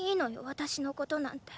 私のことなんて。